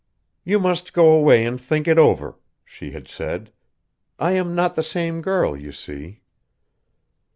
"You must go away and think it over," she had said; "I am not the same girl, you see!"